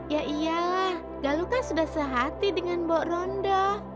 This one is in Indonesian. ya iyalah galuh kan sudah sehati dengan mbok ronda